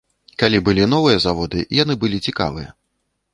Калі былі новыя заводы, яны былі цікавыя.